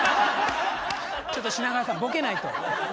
ちょっと品川さんボケないと。